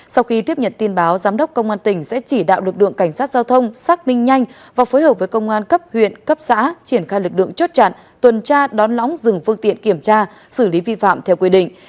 sau khi tiếp nhận tin báo giám đốc công an tỉnh sẽ chỉ đạo lực lượng cảnh sát giao thông xác minh nhanh và phối hợp với công an cấp huyện cấp xã triển khai lực lượng chốt chặn tuần tra đón lõng dừng phương tiện kiểm tra xử lý vi phạm theo quy định